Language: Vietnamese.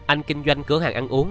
anh kinh doanh cửa hàng ăn uống